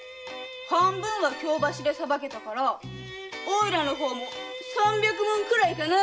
半分は京橋で捌けたからおいらの方も三百文くらいかな。